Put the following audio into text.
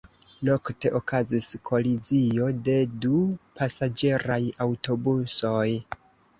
Nokte okazis kolizio de du pasaĝeraj aŭtobusoj.